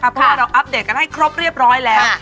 เพราะว่าเราอัปเดตกันให้ครบเรียบร้อยแล้ว